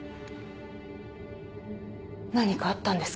何かあったんですか？